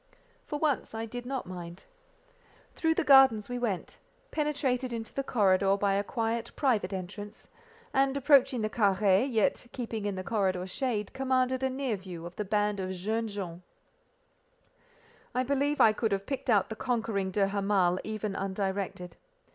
For once, I did not mind. Through the garden we went—penetrated into the corridor by a quiet private entrance, and approaching the carré, yet keeping in the corridor shade, commanded a near view of the band of "jeunes gens." I believe I could have picked out the conquering de Hamal even undirected.